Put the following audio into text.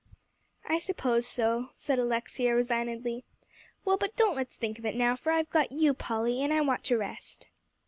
"I suppose so," said Alexia resignedly. "Well, but don't let's think of it now, for I've got you, Polly, and I want to rest."